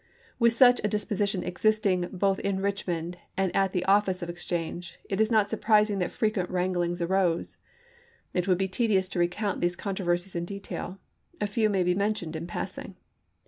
With such a disposition existing both in Richmond and at the office of exchange, it is not surprising that frequent wranglings arose. It would be tedious to recount these controversies in detail ; a few may be mentioned in passing.